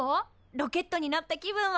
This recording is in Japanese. ロケットになった気分は。